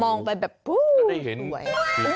มองไปแบบฮู้ววววได้เห็น